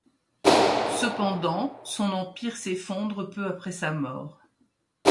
Cependant, son empire s'effondre peu après sa mort.